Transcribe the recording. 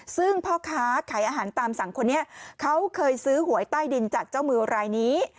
ซึ่งพ่อค้าขายอาหารตามสั่งคนนี้เขาเคยซื้อหวยใต้ดินจากเจ้ามือรายนี้